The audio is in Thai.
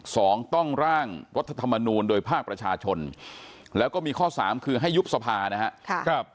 สองต้องร่างรัฐธรรมนูลโดยภาคประชาชนแล้วก็มีข้อสามคือให้ยุบสภานะครับ